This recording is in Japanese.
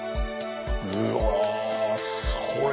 うわすごい！